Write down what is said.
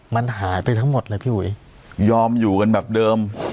มันหายไปทั้งหมดเลยพี่อุ๋ยยอมอยู่กันแบบเดิม